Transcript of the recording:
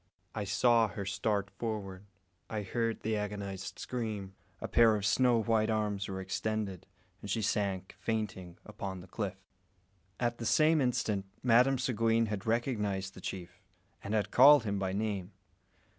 I saw her start forward; I heard the agonised scream; a pair of snow white arms were extended, and she sank, fainting, upon the cliff. At the same instant Madame Seguin had recognised the chief, and had called him by name.